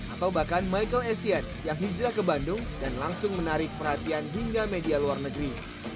atau bahkan michael essien yang hijrah ke bandung dan langsung menarik perhatian hingga media luar negeri